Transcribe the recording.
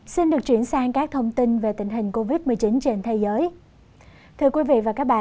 xin được chuyển sang các thông tin về tình hình covid một mươi chín trên thế giới